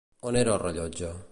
On era el rellotge?